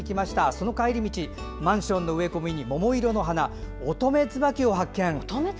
その帰り道、マンションの植え込みに桃色の花オトメツバキを発見。